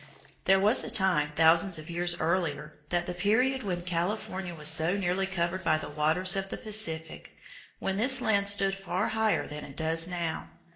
There was a time, thousands of years earlier than the period when California was so nearly covered by the waters of the Pacific, when this land stood far higher than it does now.